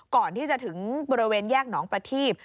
ก่อนที่จะถึงบริเวณแยกหนองประทีบ